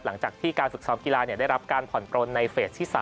หลังจากที่การฝึกซ้อมกีฬาได้รับการผ่อนปลนในเฟสที่๓